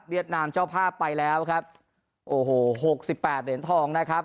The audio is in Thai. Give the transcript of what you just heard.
เวียดนามเจ้าภาพไปแล้วครับโอ้โห๖๘เหรียญทองนะครับ